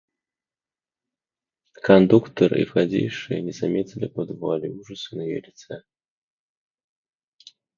Кондуктор и входившие не заметили под вуалью ужаса на ее лице.